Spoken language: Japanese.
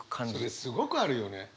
それすごくあるよね。